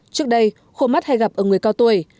trước đây khô mắt hay gặp ở người cao tuổi